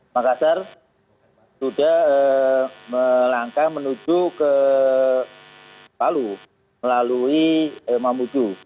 makassar sudah melangkah menuju ke palu melalui mamuju